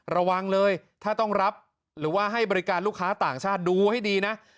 ระวังเลยถ้าต้องรับหรือว่าให้บริการลูกค้าต่างชาติดูให้ดีนะ